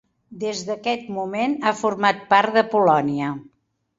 Des d'aquest moment ha format part de Polònia.